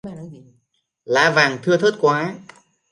Lá vàng thưa thớt quá